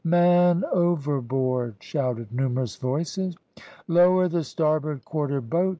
"Man overboard!" shouted numerous voices. "Lower the starboard quarter boat!"